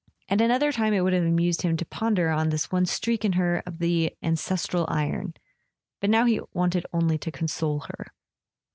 At another time it would have amused him to ponder on this one streak in her of the ancestral iron; but now he wanted only to console her.